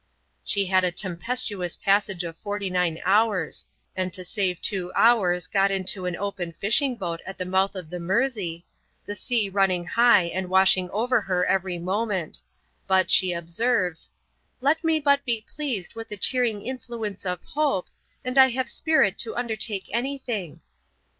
She had a tempestuous passage of forty nine hours, and to save two hours got into an open fishing boat at the mouth of the Mersey, the sea running high and washing over her every moment; but, she observes, 'let me but be blessed with the cheering influence of hope, and I have spirit to undertake anything.'